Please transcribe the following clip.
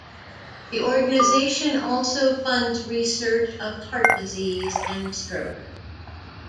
The organization also funds research of heart disease and stroke.